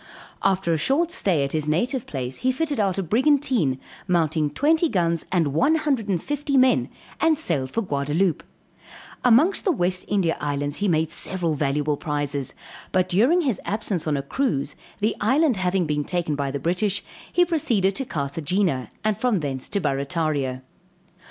After a short stay at his native place he fitted out a brigantine, mounting twenty guns and one hundred and fifty men, and sailed for Gaudaloupe; amongst the West India Islands, he made several valuable prizes; but during his absence on a cruise the island having been taken by the British, he proceeded to Carthagena, and from thence to Barrataria.